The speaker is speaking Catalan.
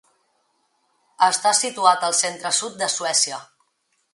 Està situat al centre-sud de Suècia.